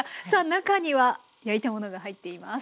中には焼いたものが入っています。